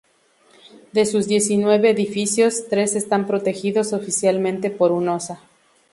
De sus diecinueve edificios, tres están protegidos oficialmente por Hunosa.